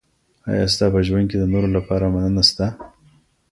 ایا ستا په ژوند کي د نورو لپاره مننه سته؟